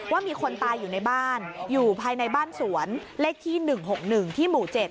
ว่ามีคนตายอยู่ในบ้านอยู่ภายในบ้านสวนเลขที่๑๖๑ที่หมู่๗